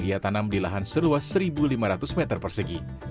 ia tanam di lahan seluas satu lima ratus meter persegi